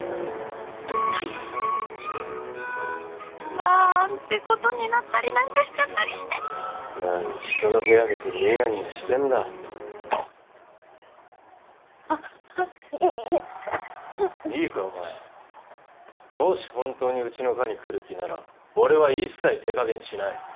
なーんてことになったりなんかしちゃったりして何人の部屋見てニヤニヤしてんだあっいっいえいいかお前もし本当にうちの科に来る気なら俺は一切手加減しない